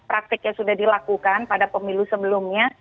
praktik yang sudah dilakukan pada pemilu sebelumnya